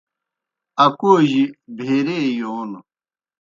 اکوجیْ بھیریئے یون